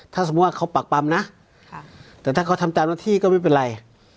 ถ้าสมมุติว่าเขาปากปำนะแต่ถ้าเขาทำตามหน้าที่ก็ไม่เป็นไร